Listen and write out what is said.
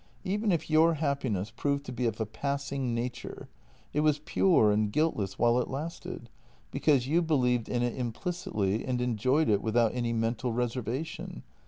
Even if your happiness proved to be of a passing nature, it was pure and guiltless while it lasted, because you believed in it implicitly and enjoyed it without any mental reservation.